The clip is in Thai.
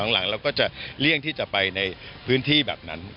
หลังเราก็จะเลี่ยงที่จะไปในพื้นที่แบบนั้น